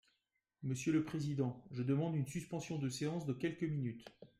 Monsieur le président, je demande une suspension de séance de quelques minutes.